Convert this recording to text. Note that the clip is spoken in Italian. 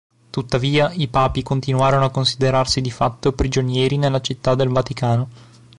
Tuttavia, i papi continuarono a considerarsi di fatto prigionieri nella Città del Vaticano.